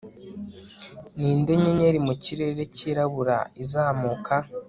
Ninde nyenyeri mu kirere cyirabura izamuka